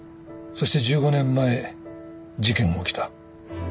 そして１５年前事件が起きた。